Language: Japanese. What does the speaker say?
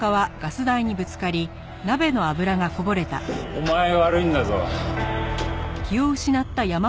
お前が悪いんだぞ。